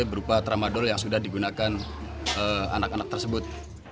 berupa tramadol yang sudah digunakan anak anak tersebut